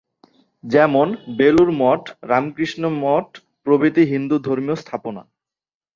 যেমন: বেলুড় মঠ, রামকৃষ্ণ মঠ প্রভৃতি হিন্দু ধর্মীয় স্থাপনা।